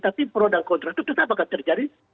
tapi pro dan kontra itu tetap akan terjadi